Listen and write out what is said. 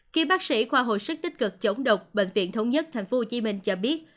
khi bác sĩ khoa hồi sức tích cực chống độc bệnh viện thống nhất tp hcm cho biết